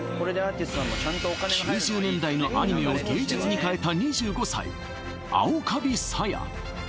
９０年代のアニメを芸術に変えた２５歳藍嘉比沙耶